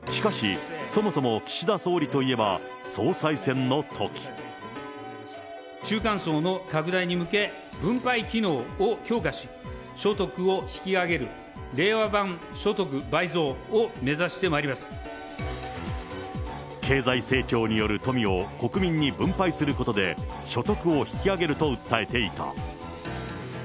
しかし、そもそも岸田総理といえば、中間層の拡大に向け、分配機能を強化し、所得を引き上げる、令和版所得倍増を目指してまいり経済成長による富を国民に分配することで、所得を引き上げると訴えていた。